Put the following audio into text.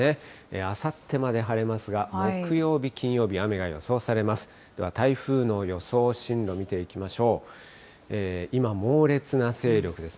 あさってまで晴れますが、木曜日、金曜日、雨が予想されます。